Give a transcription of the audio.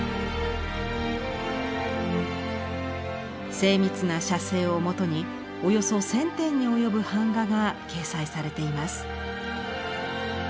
精密な写生を元におよそ１，０００点に及ぶ版画が掲載されています。